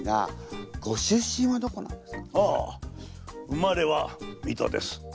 生まれは水戸です。